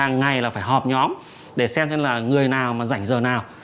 hàng ngày là phải họp nhóm để xem xem là người nào mà rảnh giờ nào